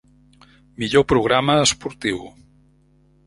Millor programa esportiu.